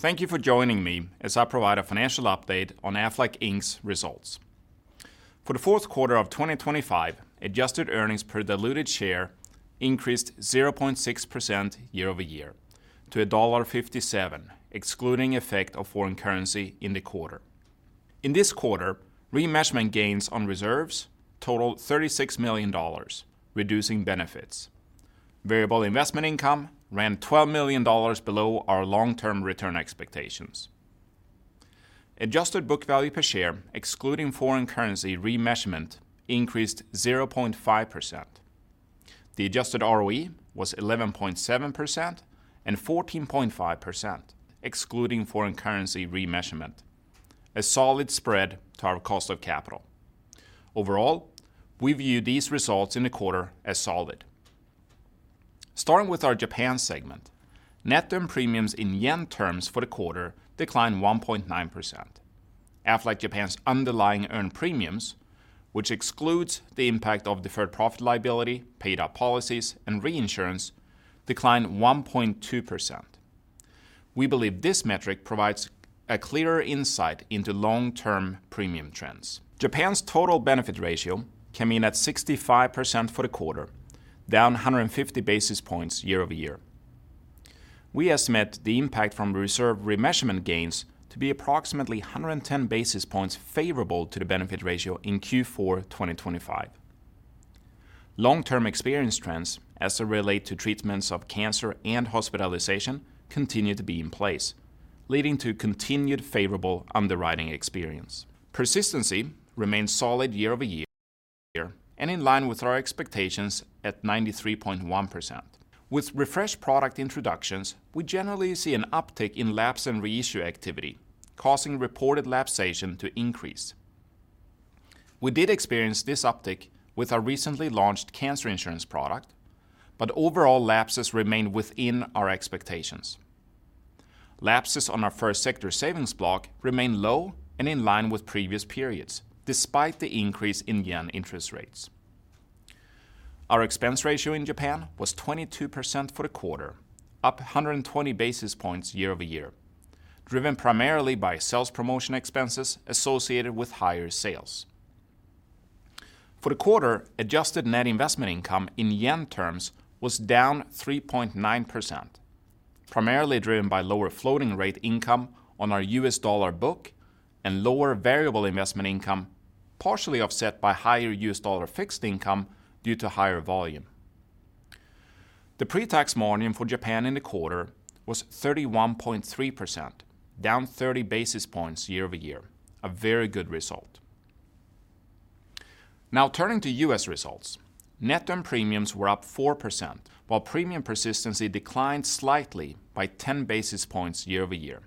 Thank you for joining me as I provide a financial update on Aflac Incorporated's results. For the fourth quarter of 2025, adjusted earnings per diluted share increased 0.6% year-over-year to $1.57, excluding effect of foreign currency in the quarter. In this quarter, remeasurement gains on reserves totaled $36 million, reducing benefits. Variable investment income ran $12 million below our long-term return expectations. Adjusted book value per share, excluding foreign currency remeasurement, increased 0.5%. The adjusted ROE was 11.7% and 14.5%, excluding foreign currency remeasurement, a solid spread to our cost of capital. Overall, we view these results in the quarter as solid. Starting with our Japan segment, net earned premiums in yen terms for the quarter declined 1.9%. Aflac Japan's underlying earned premiums, which excludes the impact of deferred profit liability, paid up policies, and reinsurance, declined 1.2%. We believe this metric provides a clearer insight into long-term premium trends. Japan's total benefit ratio came in at 65% for the quarter, down 150 basis points year-over-year. We estimate the impact from reserve remeasurement gains to be approximately 110 basis points favorable to the benefit ratio in Q4 2025. Long-term experience trends, as they relate to treatments of cancer and hospitalization, continue to be in place, leading to continued favorable underwriting experience. Persistency remains solid year-over-year and in line with our expectations at 93.1%. With refreshed product introductions, we generally see an uptick in lapse and reissue activity, causing reported lapsation to increase. We did experience this uptick with our recently launched cancer insurance product, but overall lapses remained within our expectations. Lapses on our First Sector savings block remained low and in line with previous periods, despite the increase in yen interest rates. Our expense ratio in Japan was 22% for the quarter, up 120 basis points year-over-year, driven primarily by sales promotion expenses associated with higher sales. For the quarter, adjusted net investment income in yen terms was down 3.9%, primarily driven by lower floating rate income on our U.S. dollar book and lower variable investment income, partially offset by higher U.S. dollar fixed income due to higher volume. The pre-tax margin for Japan in the quarter was 31.3%, down 30 basis points year-over-year, a very good result. Now, turning to U.S. results. Net earned premiums were up 4%, while premium persistency declined slightly by 10 basis points year-over-year.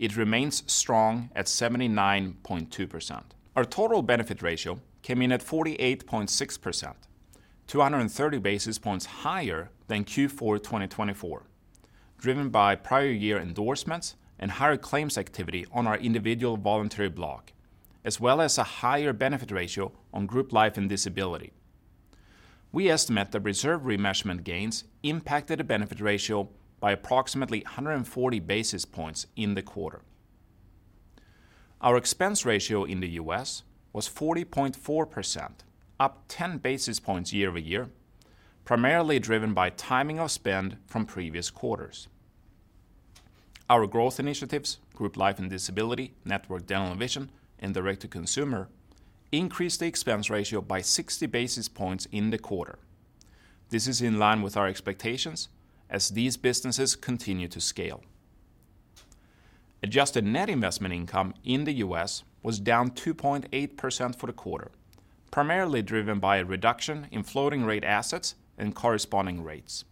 It remains strong at 79.2%. Our total benefit ratio came in at 48.6%, 230 basis points higher than Q4 2024, driven by prior year endorsements and higher claims activity on our individual voluntary block, as well as a higher benefit ratio on group life and disability. We estimate the reserve remeasurement gains impacted the benefit ratio by approximately 140 basis points in the quarter. Our expense ratio in the U.S. was 40.4%, up 10 basis points year-over-year, primarily driven by timing of spend from previous quarters. Our growth initiatives, group life and disability, network dental and vision, and direct-to-consumer, increased the expense ratio by 60 basis points in the quarter. This is in line with our expectations as these businesses continue to scale. Adjusted net investment income in the U.S. was down 2.8% for the quarter, primarily driven by a reduction in floating rate assets and corresponding rates.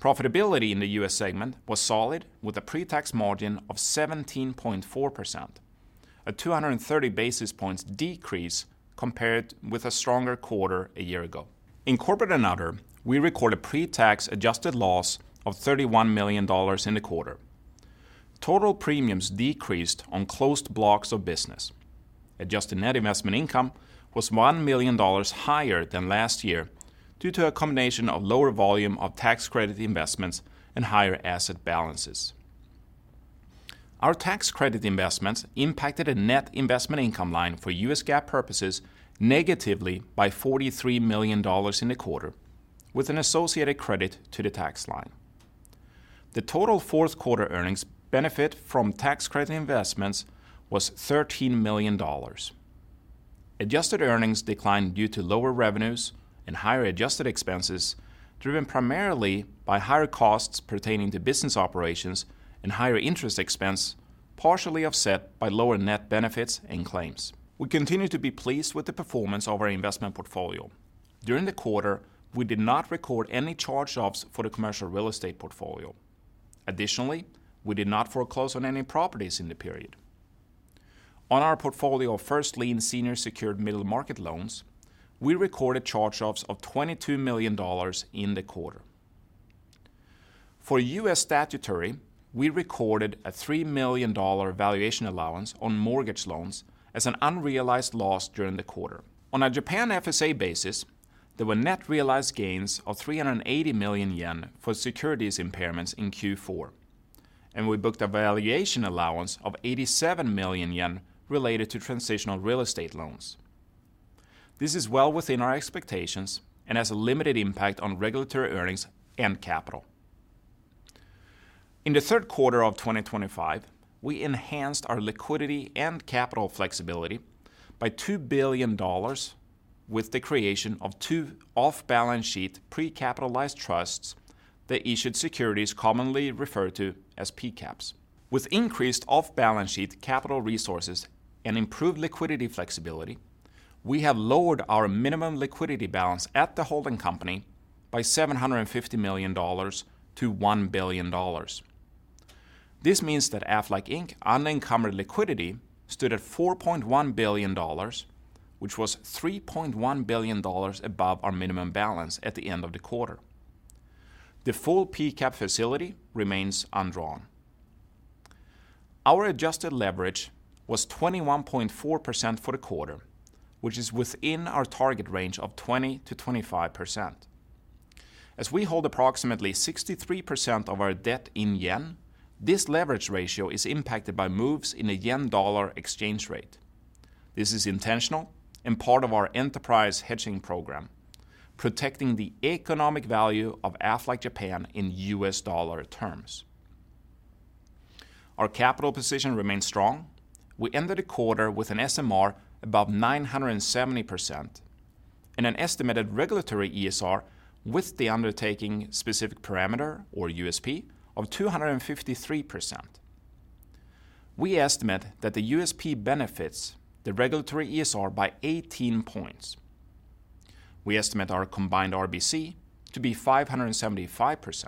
Profitability in the U.S. segment was solid, with a pre-tax margin of 17.4%, a 230 basis points decrease compared with a stronger quarter a year ago. In Corporate and Other, we recorded a pre-tax adjusted loss of $31 million in the quarter. Total premiums decreased on closed blocks of business. Adjusted net investment income was $1 million higher than last year due to a combination of lower volume of tax credit investments and higher asset balances. Our tax credit investments impacted a net investment income line for US GAAP purposes negatively by $43 million in the quarter, with an associated credit to the tax line. The total fourth quarter earnings benefit from tax credit investments was $13 million. Adjusted earnings declined due to lower revenues and higher adjusted expenses, driven primarily by higher costs pertaining to business operations and higher interest expense, partially offset by lower net benefits and claims. We continue to be pleased with the performance of our investment portfolio. During the quarter, we did not record any charge-offs for the commercial real estate portfolio. Additionally, we did not foreclose on any properties in the period. On our portfolio of first lien senior secured middle market loans, we recorded charge-offs of $22 million in the quarter. For U.S. statutory, we recorded a $3 million valuation allowance on mortgage loans as an unrealized loss during the quarter. On a Japan FSA basis. There were net realized gains of 380 million yen for securities impairments in Q4, and we booked a valuation allowance of 87 million yen related to transitional real estate loans. This is well within our expectations and has a limited impact on regulatory earnings and capital. In the third quarter of 2025, we enhanced our liquidity and capital flexibility by $2 billion with the creation of two off-balance sheet pre-capitalized trusts, the issued securities commonly referred to as PCAPS. With increased off-balance sheet capital resources and improved liquidity flexibility, we have lowered our minimum liquidity balance at the holding company by $750 million to $1 billion. This means that Aflac Inc. Unencumbered liquidity stood at $4.1 billion, which was $3.1 billion above our minimum balance at the end of the quarter. The full PCAP facility remains undrawn. Our adjusted leverage was 21.4% for the quarter, which is within our target range of 20%-25%. As we hold approximately 63% of our debt in yen, this leverage ratio is impacted by moves in the yen dollar exchange rate. This is intentional and part of our enterprise hedging program, protecting the economic value of Aflac Japan in US dollar terms. Our capital position remains strong. We ended the quarter with an SMR above 970% and an estimated regulatory ESR with the Undertaking Specific Parameter, or USP, of 253%. We estimate that the USP benefits the regulatory ESR by 18 points. We estimate our combined RBC to be 575%.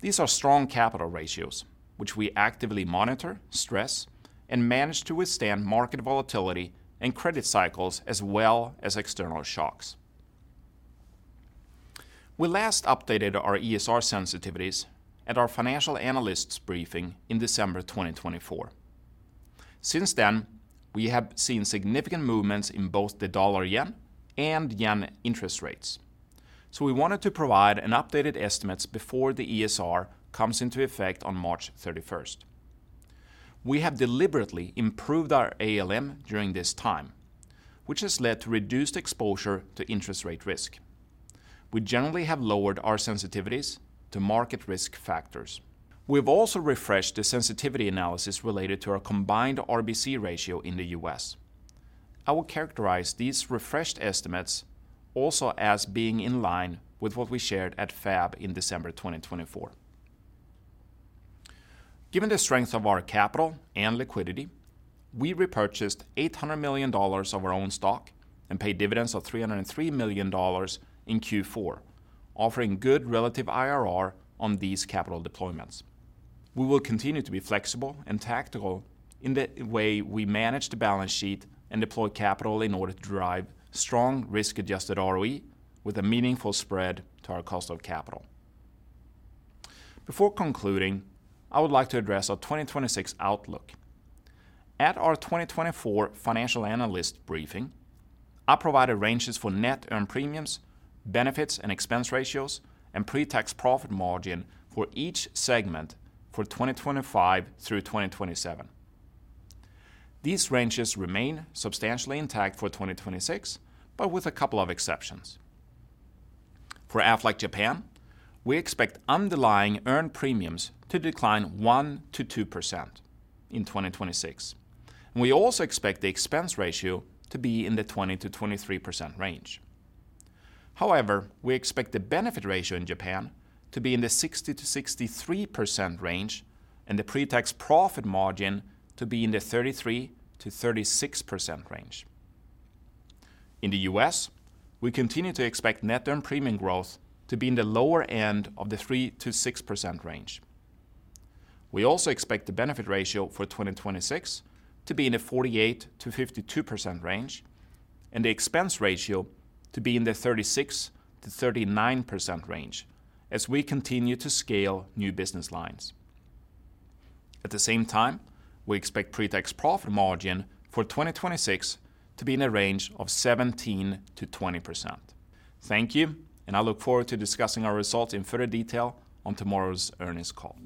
These are strong capital ratios, which we actively monitor, stress, and manage to withstand market volatility and credit cycles, as well as external shocks. We last updated our ESR sensitivities at our Financial Analysts Briefing in December 2024. Since then, we have seen significant movements in both the dollar/yen and yen interest rates. So we wanted to provide an updated estimates before the ESR comes into effect on March 31st. We have deliberately improved our ALM during this time, which has led to reduced exposure to interest rate risk. We generally have lowered our sensitivities to market risk factors. We've also refreshed the sensitivity analysis related to our combined RBC ratio in the U.S. I will characterize these refreshed estimates also as being in line with what we shared at FAB in December 2024. Given the strength of our capital and liquidity, we repurchased $800 million of our own stock and paid dividends of $303 million in Q4, offering good relative IRR on these capital deployments. We will continue to be flexible and tactical in the way we manage the balance sheet and deploy capital in order to drive strong risk-adjusted ROE with a meaningful spread to our cost of capital. Before concluding, I would like to address our 2026 outlook. At our 2024 Financial Analyst Briefing, I provided ranges for net earned premiums, benefits and expense ratios, and pre-tax profit margin for each segment for 2025 through 2027. These ranges remain substantially intact for 2026, but with a couple of exceptions. For Aflac Japan, we expect underlying earned premiums to decline 1%-2% in 2026. We also expect the expense ratio to be in the 20%-23% range. However, we expect the benefit ratio in Japan to be in the 60%-63% range and the pre-tax profit margin to be in the 33%-36% range. In the US, we continue to expect net earned premium growth to be in the lower end of the 3%-6% range. We also expect the benefit ratio for 2026 to be in the 48%-52% range and the expense ratio to be in the 36%-39% range as we continue to scale new business lines. At the same time, we expect pre-tax profit margin for 2026 to be in a range of 17%-20%. Thank you, and I look forward to discussing our results in further detail on tomorrow's earnings call.